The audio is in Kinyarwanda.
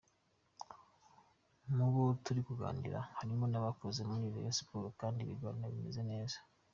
Mu bo turi kuganira harimo n’abahoze muri Rayon Sports kandi ibiganiro bimeze neza.